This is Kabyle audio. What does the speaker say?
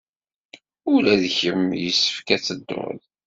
Ula d kemm yessefk ad tedduḍ!